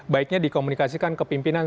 baiknya dikomunikasikan ke pimpinan